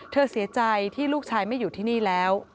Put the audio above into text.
เสียใจที่ลูกชายไม่อยู่ที่นี่แล้ว